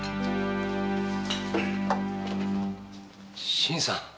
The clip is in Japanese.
新さん。